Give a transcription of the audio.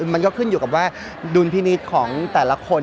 มันก็ขึ้นอยู่กับว่าดุลพินิษฐ์ของแต่ละคน